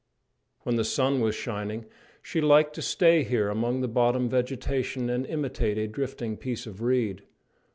When the sun was shining she liked to stay here among the bottom vegetation and imitate a drifting piece of reed.